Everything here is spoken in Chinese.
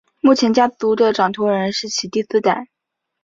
目前家族的掌舵人是其第四代。